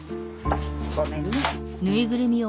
ごめんね。